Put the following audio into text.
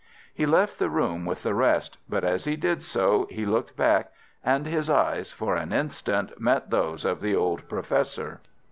He left the room with the rest, but as he did so he looked back, and his eyes for an instant met those of the old Professor.